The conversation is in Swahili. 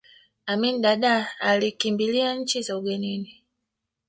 amin dadaa alikimbilia nchi za ugenini